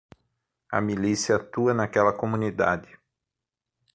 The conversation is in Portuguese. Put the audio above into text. A milícia atua naquela comunidade.